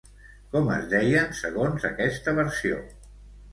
Com es deien, segons aquesta versió?